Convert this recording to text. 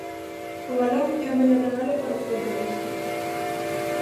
O balón é o mellor regalo para os futbolistas.